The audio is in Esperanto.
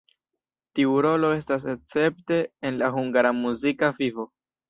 Tiu rolo estas escepte en la hungara muzika vivo.